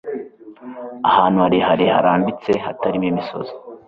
Ahantu harehare harambitse, hatarimo imisozi.